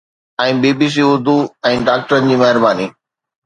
۽ B B C Urdu ۽ ڊاڪٽرن جي مهرباني